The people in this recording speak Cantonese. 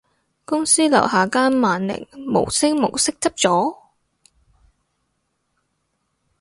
公司樓下間萬寧無聲無息執咗